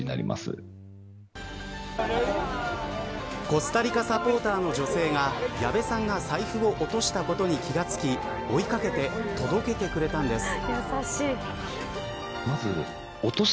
コスタリカサポーターの女性が矢部さんが財布を落としたことに気が付き追い掛けて届けてくれたんです。